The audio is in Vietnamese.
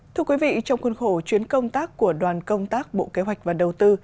thưa quý vị trong khuôn khổ chuyến công tác của đoàn công tác bộ kế hoạch và đầu tư